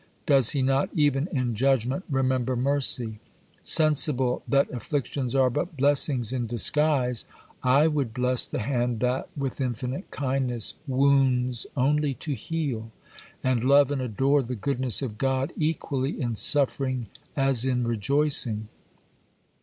Does He not even in judgment remember mercy? Sensible that "afflictions are but blessings in disguise," I would bless the hand that, with infinite kindness, wounds only to heal, and love and adore the goodness of God equally in suffering as in rejoicing.